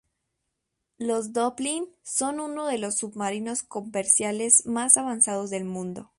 Los "Dolphin" son uno de los submarinos convencionales más avanzados del mundo.